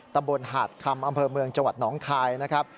ตำบลหาดคำอำเภอเมืองจังหวัดหนองคายนะครับ